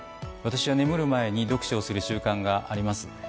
私は眠る前に読書をする習慣があります。